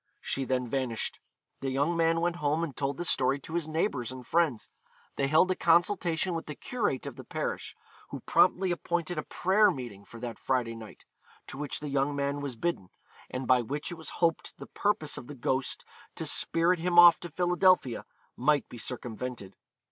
She then vanished. The young man went home and told this story to his neighbours and friends. They held a consultation with the curate of the parish, who promptly appointed a prayer meeting for that Friday night, to which the young man was bidden, and by which it was hoped the purpose of the ghost to spirit him off to Philadelphia might be circumvented.